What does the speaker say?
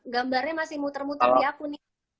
gambarnya masih muter muter di akun